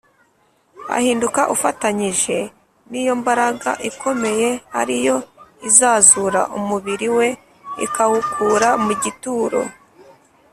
ahinduka ufatanyije n’iyo mbaraga ikomeye ari yo izazura umubiri we ikawukura mu gituro